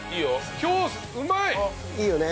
今日うまい！いいよね。